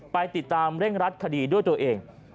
ไปติดตามเร่งรัดคดีด้วยตัวเอง